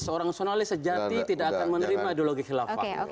seorang sonalis sejati tidak akan menerima ideologi khilafah